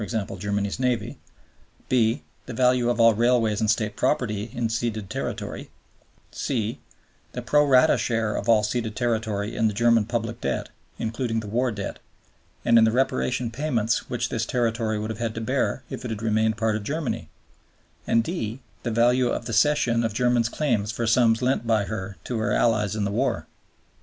_ Germany's navy); (b) the value of all railways and State property in ceded territory; (c) the pro rata share of all ceded territory in the German public debt (including the war debt) and in the Reparation payments which this territory would have had to bear if it had remained part of Germany; and (d) the value of the cession of Germany's claims for sums lent by her to her allies in the war.